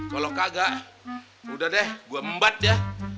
kalau kagak udah deh gua mbat ya